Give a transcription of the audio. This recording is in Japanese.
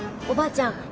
おばあちゃん